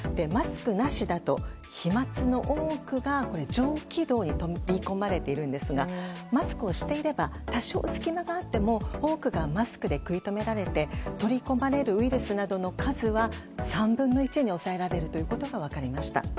マスクなしだと飛沫の多くが上気道に取り込まれているんですがマスクをしていれば、多少隙間があっても多くがマスクで食い止められて取り込まれるウイルスなどの数は３分の１に抑えられることが分かりました。